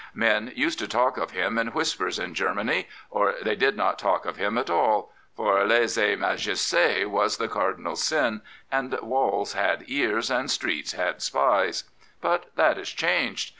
Men used to talk of him in whispers in Germany, or they did not talk of him at all, for Use majesti was the cardinal sin, and waUs had^e^js «tre^te.had spies. But that is changed.